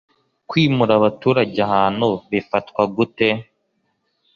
kwimura abaturage ahantu bifatwa gute